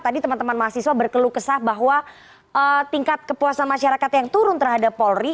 tadi teman teman mahasiswa berkeluh kesah bahwa tingkat kepuasan masyarakat yang turun terhadap polri